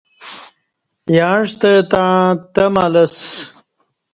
یعں ستہ تݩع تمہ لسہ